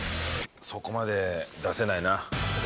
そこまで出せない？